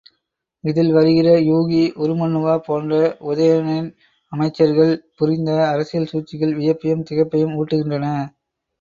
இதில் வருகிற யூகி, உருமண்ணுவா போன்ற உதயணனின் அமைச்சர்கள் புரிந்த அரசியல் சூழ்ச்சிகள் வியப்பையும் திகைப்பையும் ஊட்டுகின்றன.